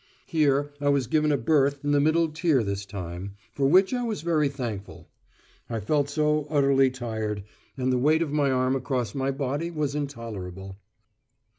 Here I was given a berth in the middle tier this time, for which I was very thankful. I felt so utterly tired; and the weight of my arm across my body was intolerable.